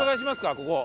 ここ。